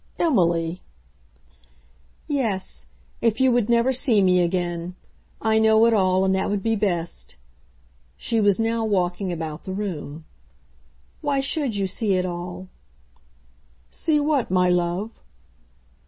"Emily!" "Yes; if you would never see me again. I know it all, and that would be best." She was now walking about the room. "Why should you see it all?" "See what, my love?"